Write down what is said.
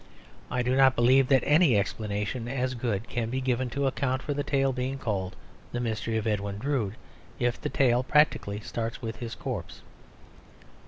I do not believe that any explanation as good can be given to account for the tale being called The Mystery of Edwin Drood, if the tale practically starts with his corpse.